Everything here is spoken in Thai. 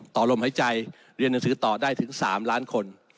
ต่อลมหายใจเรียนหนังสือต่อได้ถึง๓ล้านคน